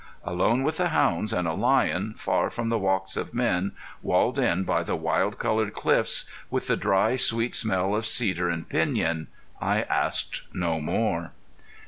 Alone with the hounds and a lion, far from the walks of men, walled in by the wild colored cliffs, with the dry, sweet smell of cedar and piñon, I asked no more.